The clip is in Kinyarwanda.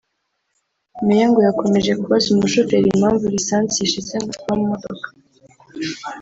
Meya ngo yakomeje kubaza umushoferi impamvu lisansi ishize vuba mu modoka